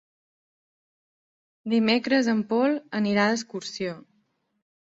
Dimecres en Pol anirà d'excursió.